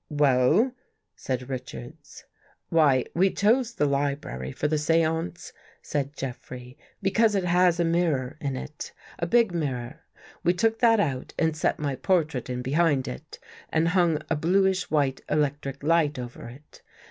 " Well? " said Richards. " Why, we chose the library for the seance," said Jeffrey, " because It has a mirror in It — a big mir ror. We took that out and set my portrait In be hind It and hung a bluish white electric light over It.